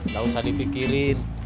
gak usah dipikirin